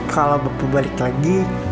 kalau bapu balik lagi